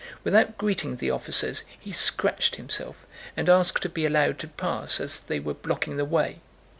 Without greeting the officers, he scratched himself and asked to be allowed to pass as they were blocking the way.